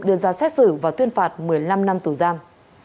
đưa ra xét xử và tuyên phạt một mươi năm năm tù giam